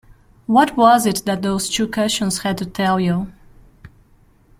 What was it that those two cushions had to tell you?